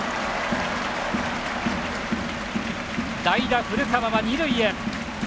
代打、古川は二塁へ。